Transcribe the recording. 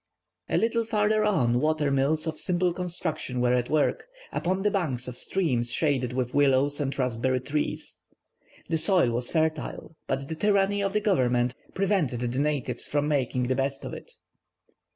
A little farther on water mills of simple construction were at work, upon the banks of streams shaded with willows and raspberry trees. The soil was fertile, but the tyranny of the Government prevented the natives from making the best of it.